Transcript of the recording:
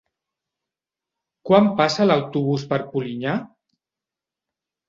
Quan passa l'autobús per Polinyà?